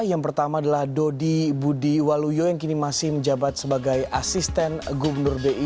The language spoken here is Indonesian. yang pertama adalah dodi budi waluyo yang kini masih menjabat sebagai asisten gubernur bi